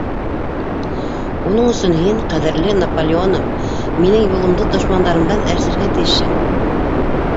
Уның өсөн һин, ҡәҙерле Наполеоным, минең юлымды дошмандарымдан әрсергә тейешһең.